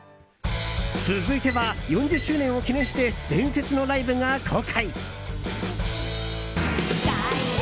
続いては、４０周年を記念して伝説のライブが公開。